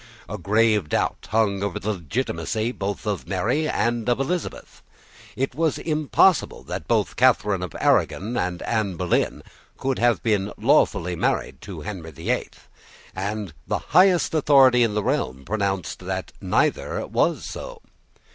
A grave doubt hung over the legitimacy both of Mary and of Elizabeth. It was impossible that both Catharine of Aragon and Anne Boleyn could have been lawfully married to Henry the Eighth; and the highest authority in the realm had pronounced that neither was so.